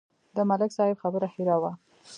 د ملک صاحب خبره هېره وه.